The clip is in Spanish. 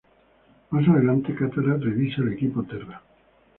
Más adelante, Katara revisa al Equipo Terra.